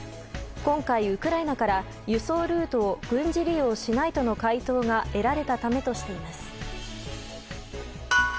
今回、ウクライナから輸送ルートを軍事利用しないとの回答が得られたためとしています。